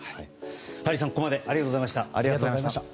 ハリーさん、ここまでありがとうございました。